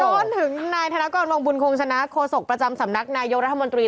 จนถึงนายธนกรวงบุญคงชนะโฆษกประจำสำนักนายกรัฐมนตรี